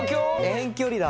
遠距離だ。